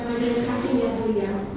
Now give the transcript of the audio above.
pak jendral sakim yang beliau